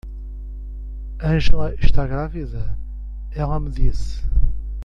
Angela está grávida? ela me disse.